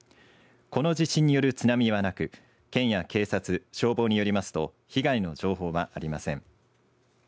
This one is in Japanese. この地震による津波はなく県や警察、消防によりますと被害の情報はありません。